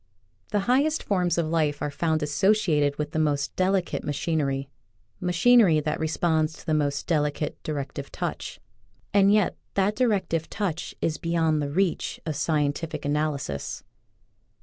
The highest forms of life are found asso ciated with the most delicate machinery — machinery that responds to the most delicate directive touch, and yet that directive touch is beyond the reach of scientific analysis.